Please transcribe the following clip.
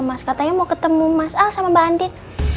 mas katanya mau ketemu mas al sama mbak andi